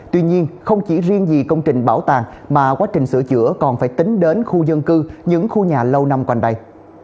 tuy nhiên không chỉ riêng gì công trình bảo tàng mà quá trình sửa chữa còn phải tính đến khu dân cư những khu nhà lâu năm quanh đây